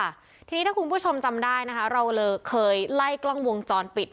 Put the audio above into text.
ค่ะทีนี้ถ้าคุณผู้ชมจำได้นะคะเราเลยเคยไล่กล้องวงจรปิด